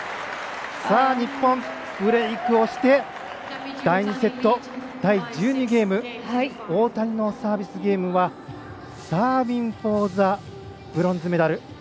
日本、ブレークをして第２セット第１２ゲーム大谷のサービスゲームはサービングフォーザブロンズメダル。